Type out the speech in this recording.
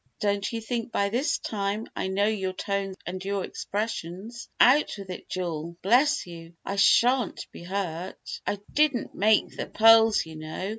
"Don't you think by this time I know your tones and your expressions? Out with it, Jule! Bless you, I shan't be hurt. I didn't make the pearls, you know.